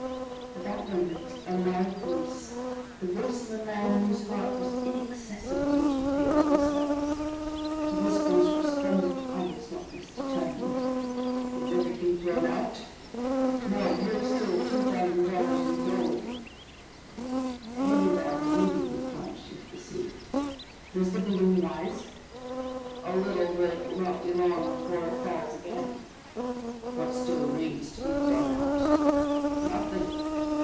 At that moment a loud voice, the voice of a man whose heart was inaccessible to fear, was heard. To this voice responded others not less determined. "Is everything thrown out?" "No, here are still 2,000 dollars in gold." A heavy bag immediately plunged into the sea. "Does the balloon rise?" "A little, but it will not be long before it falls again." "What still remains to be thrown out?" "Nothing."